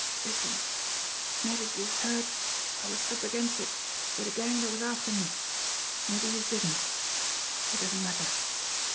"Listen! Mabbe youse heard I was up against it wid a gang dat was after me, mabbe youse didn't it doesn't matter.